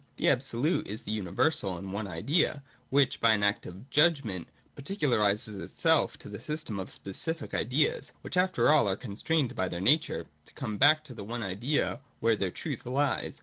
The Absolute is the uni versal and one idea, which, by an act of 'judgment,' particularises itself to the system of specific ideas ; which after all are constrained by their nature to come back to the one idea where their truth lies.